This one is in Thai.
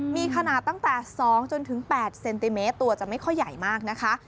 มีขนาดตั้งแต่๒๘เซนติเมตรตัวจะไม่ค่อยใหญ่มากนะคะ